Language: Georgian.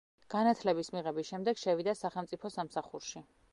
განათლების მიღების შემდეგ შევიდა სახელმწიფო სამსახურში.